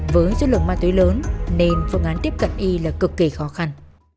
với số lượng ma túy lớn nên phương án tiếp cận y là cực kỳ khó khăn